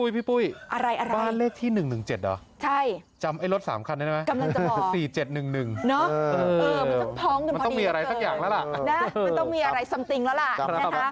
พี่ปุ๊ยบ้านเลขที่๑๑๗หรอใช่จำไอ้รถ๓คันได้ไหมกำลังจะห่อ๔๗๑๑มันจะพ้องถึงพอดีเกินมันต้องมีอะไรสักอย่างแล้วล่ะมันต้องมีอะไรซ้ำติงแล้วล่ะ